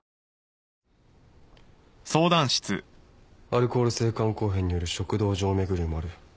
アルコール性肝硬変による食道静脈瘤もある。